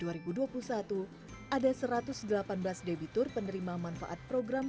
ada satu ratus delapan belas debitur penerima manfaat program